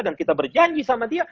dan kita berjanji sama dia